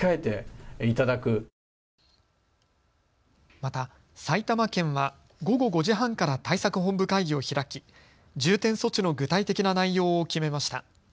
また、埼玉県は午後５時半から対策本部会議を開き重点措置の具体的な内容を決めました。